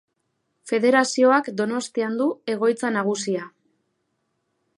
Federazioak Donostian du egoitza nagusia.